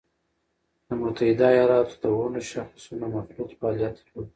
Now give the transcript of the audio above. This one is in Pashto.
د متحده ایالاتو د ونډو شاخصونو مخلوط فعالیت درلود